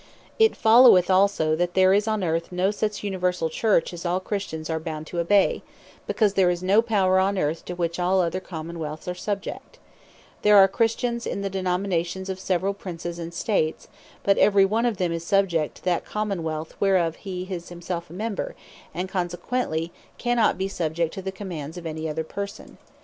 A Christian Common wealth, And A Church All One It followeth also, that there is on Earth, no such universall Church as all Christians are bound to obey; because there is no power on Earth, to which all other Common wealths are subject: There are Christians, in the Dominions of severall Princes and States; but every one of them is subject to that Common wealth, whereof he is himself a member; and consequently, cannot be subject to the commands of any other Person.